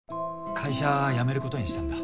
会社辞めることにしたんだ。